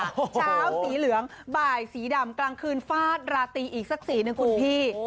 เช้าสีเหลืองบ่ายสีดำกลางคืนฟาดราตรีอีกสักสีหนึ่งคุณพี่